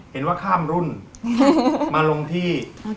เห็นว่าข้ามรุ่นมาลงที่